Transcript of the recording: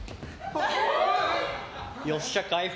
よっしゃ、回復。